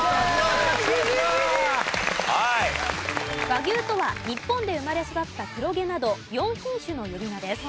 和牛とは日本で生まれ育った黒毛など４品種の呼び名です。